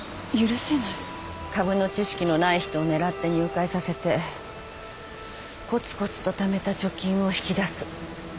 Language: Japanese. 株の知識のない人を狙って入会させてこつこつとためた貯金を引き出す。